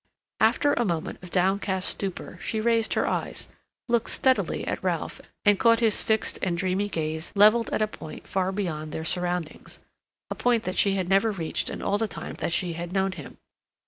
After a moment of downcast stupor, she raised her eyes, looked steadily at Ralph, and caught his fixed and dreamy gaze leveled at a point far beyond their surroundings, a point that she had never reached in all the time that she had known him.